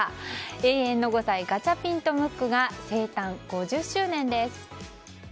永遠の５歳ガチャピンとムックが生誕５０周年です。